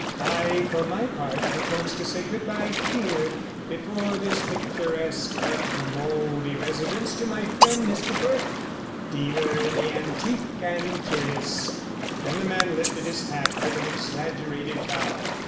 I, for my part propose to say good bye here, before this picturesque but mouldy residence, to my friend, Mr Burton, dealer in the antique and curious,' and the man lifted his hat with an exaggerated bow.